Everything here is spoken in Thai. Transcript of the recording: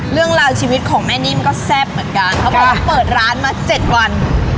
เรื่องราวชีวิตของแม่นิ่มก็แซ่บเหมือนกันเขาบอกว่าเปิดร้านมาเจ็ดวัน